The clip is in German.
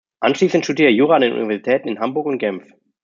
Anschließende studierte er Jura an den Universitäten in Hamburg und Genf.